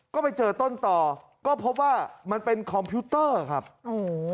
ก็ไปเจอต้นต่อก็พบว่ามันเป็นคอมพิวเตอร์ครับโอ้โห